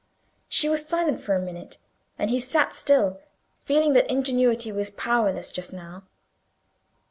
She was silent for a minute, and he sat still, feeling that ingenuity was powerless just now.